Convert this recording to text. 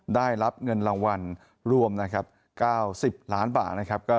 ได้รับเงินรางวัลรวม๙๐ล้านบาท